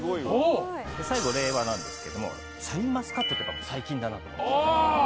最後令和なんですけどもシャインマスカットって最近だなと。